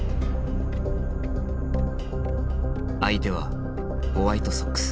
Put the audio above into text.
相手はホワイトソックス。